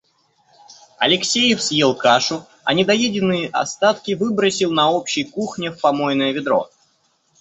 Алексеев съел кашу, а недоеденные остатки выбросил на общей кухне в помойное ведро.